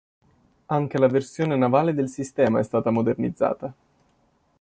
Anche la versione navale nel sistema è stata modernizzata.